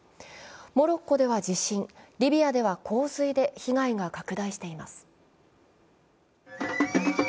モロッコでは地震、リビアでは洪水で被害が拡しています。